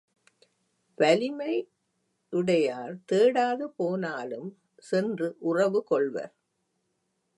வலிமையுடையார் தேடாது போனாலும் சென்று உறவு கொள்வர்.